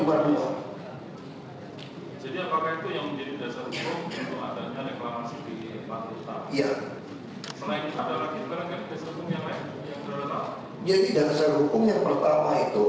jadi apakah itu yang menjadi dasar hukum untuk adanya reklamasi di partai utara